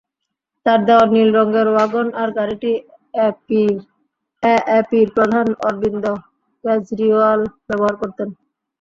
তাঁর দেওয়া নীল রঙের ওয়াগন-আর গাড়িটি এএপির প্রধান অরবিন্দ কেজরিওয়াল ব্যবহার করতেন।